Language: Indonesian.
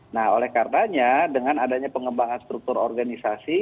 nah oleh karenanya dengan adanya pengembangan struktur organisasi